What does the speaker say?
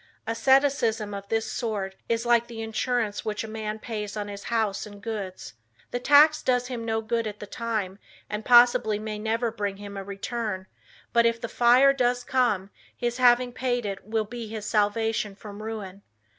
Asceticism of this sort is like the insurance which a man pays on his house and goods. The tax does him no good at the time, and possibly may never bring him a return, but if the fire does come, his having paid it will be his salvation from ruin.